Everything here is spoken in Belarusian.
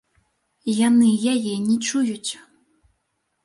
Яны яе не чуюць.